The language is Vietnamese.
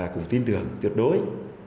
cũng tin tưởng tuyệt đối